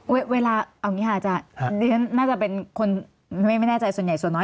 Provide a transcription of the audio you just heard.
เวลาเอาอย่างนี้ค่ะอาจารย์น่าจะเป็นคนไม่แน่ใจส่วนใหญ่ส่วนน้อย